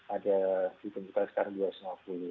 ada ditentukan sekarang dua ratus lima puluh